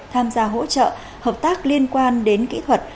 tham gia hỗ trợ hợp tác liên quan đến kỹ thuật